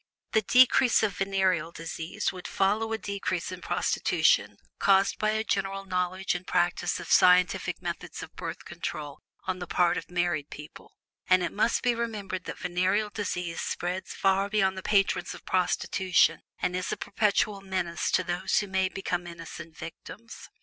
The decrease of venereal disease would follow a decrease in prostitution caused by a general knowledge and practice of scientific methods of Birth Control on the part of married people; and it must be remembered that venereal disease spreads far beyond the patrons of prostitution and is a perpetual menace to others who may become innocent victims.